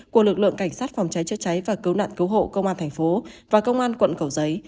của lực lượng cảnh sát phòng cháy chữa cháy và cứu nạn cứu hộ công an thành phố và công an quận cầu giấy